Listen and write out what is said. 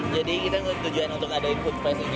jadi kita menunjukkan tujuan untuk mengadakan food fest ini